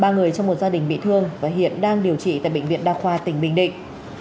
ba người trong một gia đình bị thương và hiện đang điều trị tại bệnh viện đa khoa tỉnh bình định